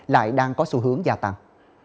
lại đang có xu hướng gia tăng